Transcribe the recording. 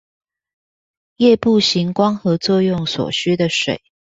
葉部行光合作用所需的水